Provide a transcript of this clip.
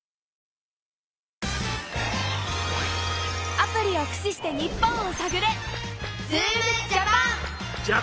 アプリをく使して日本をさぐれ！